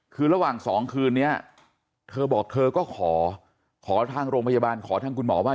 คือระหว่างสองคืนนี้เธอบอกเธอก็ขอขอทางโรงพยาบาลขอทางคุณหมอว่า